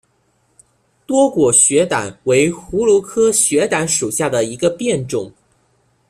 多果雪胆为葫芦科雪胆属下的一个变种。